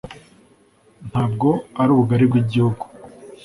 ntabwo ari ubugali bw’igihugu